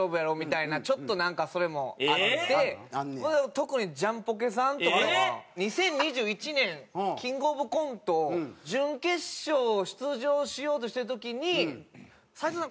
特にジャンポケさんとかは２０２１年キングオブコント準決勝出場しようとしてる時に斉藤さん